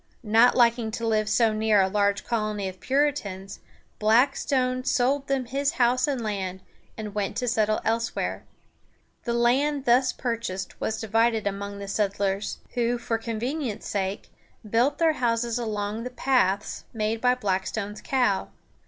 Not liking to live so near a large colony of Puritans, Blackstone sold them his house and land, and went to settle elsewhere. The land thus purchased was divided among the settlers, who, for convenience' sake, built their houses along the paths made by Blackstone's cow.